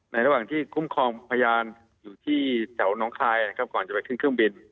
ในระหว่างที่คุ้มครองพยานอยู่ที่เศร้าน้องคลายก่อนจะไปขึ้นเครื่องบิน